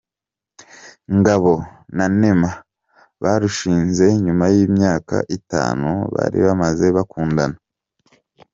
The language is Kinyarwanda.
Ngabo na Neema, barushinze nyuma y’imyaka itanu bari bamaze bakundana.